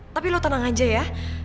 tapi lo tenang aja ya